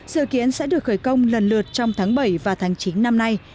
bãi xe ngầm sẽ được khởi công lần lượt trong tháng bảy và tháng chín năm nay